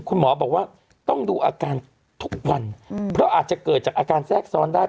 คุณหมอบอกว่าต้องดูอาการทุกวันเพราะอาจจะเกิดจากอาการแทรกซ้อนได้